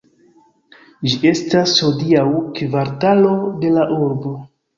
Ĝi estas hodiaŭ kvartalo de la urbo.